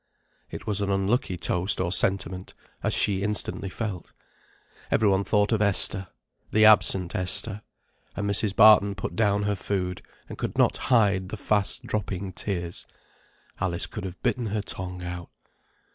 It was an unlucky toast or sentiment, as she instantly felt. Every one thought of Esther, the absent Esther; and Mrs. Barton put down her food, and could not hide the fast dropping tears. Alice could have bitten her tongue out.